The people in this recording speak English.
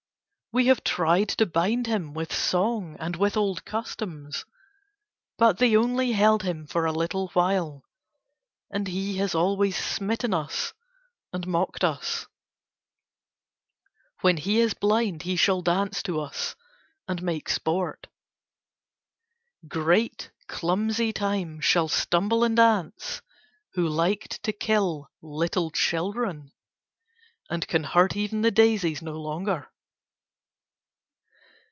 We have tried to bind him with song and with old customs, but they only held him for a little while, and he has always smitten us and mocked us. When he is blind he shall dance to us and make sport. Great clumsy time shall stumble and dance, who liked to kill little children, and can hurt even the daisies no longer.